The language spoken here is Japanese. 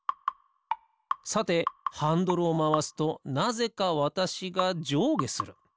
さてハンドルをまわすとなぜかわたしがじょうげする。